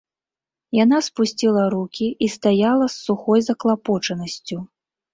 Яна спусціла рукі і стаяла з сухой заклапочанасцю.